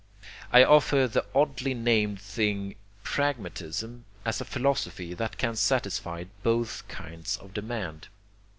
I offer the oddly named thing pragmatism as a philosophy that can satisfy both kinds of demand.